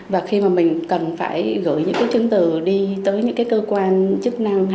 và khi mà mình cần phải gửi những chứng từ đi tới những cơ quan chức năng